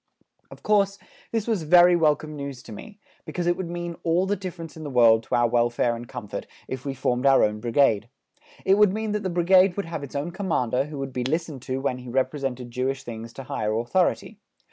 Of course, this was very welcome news to me, because it would mean all the difference in the world to our welfare and comfort if we formed our own Brigade. It would mean that the Brigade would have its own Commander who would be listened to when he represented Jewish things to higher authority.